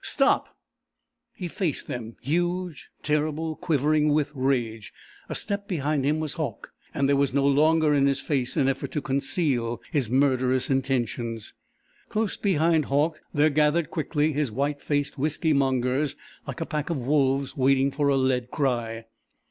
"Stop!" He faced them, huge, terrible, quivering with rage. A step behind him was Hauck, and there was no longer in his face an effort to conceal his murderous intentions. Close behind Hauck there gathered quickly his white faced whisky mongers like a pack of wolves waiting for a lead cry.